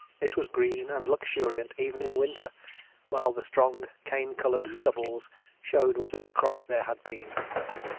It was green and luxuriant even in winter, while the strong cane coloured stubbles showed what a crop there had been.